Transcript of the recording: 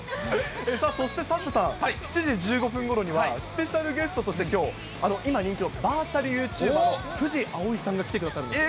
さあ、そしてサッシャさん、７時１５分ごろには、スペシャルゲストとしてきょう、今人気のバーチャルユーチューバーの富士葵さんが来てくださるんです。